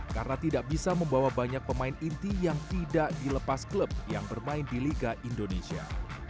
karena tidak bisa membawa banyak pemain inti yang tidak dilepas klub yang bermain di liga indonesia